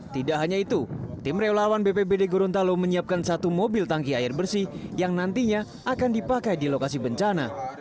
tidak hanya itu tim relawan bpbd gorontalo menyiapkan satu mobil tangki air bersih yang nantinya akan dipakai di lokasi bencana